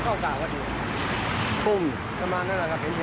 แต่ว่าบางวันก็มีพระพระมาคนอ้วนมาเดินมาอะไรอย่างนี้